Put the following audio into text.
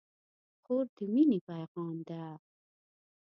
خور د مینې پیغام ده.